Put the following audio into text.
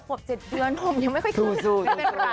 ขวบ๗เดือนผมยังไม่ค่อยขึ้น